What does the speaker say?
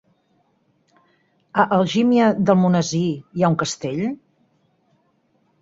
A Algímia d'Almonesir hi ha un castell?